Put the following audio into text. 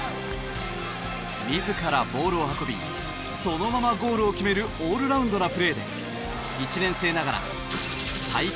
自らボールを運びそのままゴールを決めるオールラウンドなプレーで１年生ながら大会